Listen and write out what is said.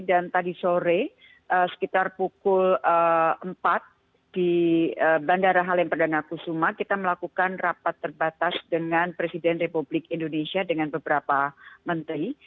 dan tadi sore sekitar pukul empat di bandara halim perdana kusuma kita melakukan rapat terbatas dengan presiden republik indonesia dengan beberapa menteri